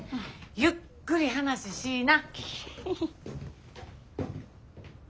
ゆっくり話しいな。